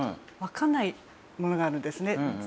わかんないものがあるんですね。